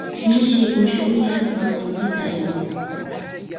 Mishi ushquyar wasinpita aywakun.